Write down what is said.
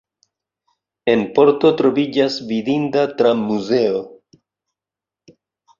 En Porto troviĝas vidinda tram-muzeo.